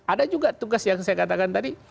ada juga tugas yang saya katakan tadi